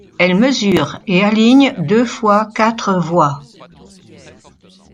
Elle mesure et aligne deux fois quatre voies.